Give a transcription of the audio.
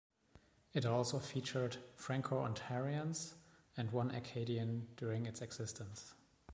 It also featured Franco-Ontarians and one Acadian during its existence.